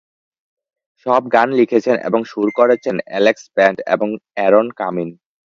সব গান লিখেছেন এবং সুর করেছেন অ্যালেক্স ব্যান্ড এবং অ্যারন কামিন।